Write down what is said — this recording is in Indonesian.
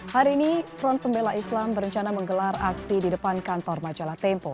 hari ini front pembela islam berencana menggelar aksi di depan kantor majalah tempo